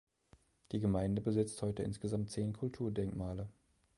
Die Gemeinde besitzt heute insgesamt zehn Kulturdenkmale.